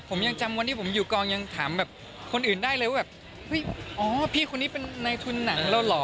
ผมยังจำวันที่ผมอยู่กองยังถามแบบคนอื่นได้เลยว่าแบบเฮ้ยอ๋อพี่คนนี้เป็นในทุนหนังเราเหรอ